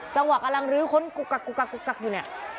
จังหวักอลังรื้อคนกรุกกรุกอะไรอยู่นี่